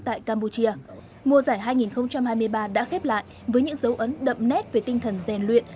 tại campuchia mùa giải hai nghìn hai mươi ba đã khép lại với những dấu ấn đậm nét về tinh thần rèn luyện